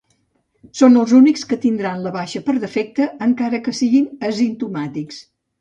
Són els únics que tindran la baixa per defecte, encara que siguin asimptomàtics.